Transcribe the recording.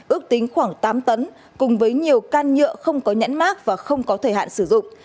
ước tính khoảng tám tấn cùng với nhiều can nhựa không có nhãn mát và không có thời hạn sử dụng